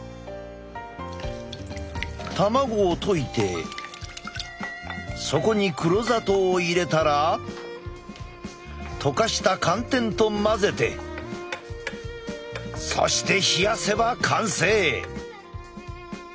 卵を溶いてそこに黒砂糖を入れたら溶かした寒天と混ぜてそして冷やせば完成。